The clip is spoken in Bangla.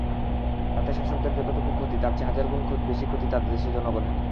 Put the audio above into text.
তাতে শাসকদের যতটুকু ক্ষতি, তার চেয়ে হাজার গুণ বেশি ক্ষতি দেশের জনগণের।